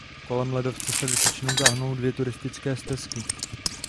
Kolem ledovce se Vysočinou táhnou dvě turistické stezky.